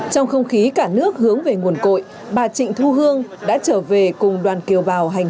trong không khí cả nước hướng về nguồn cội bà trịnh thu hương đã trở về cùng đoàn kiều bào hành